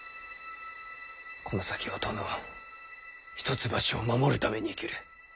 この先は殿を一橋を守るために生きる。